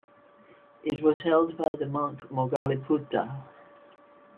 It was held by the monk Moggaliputta.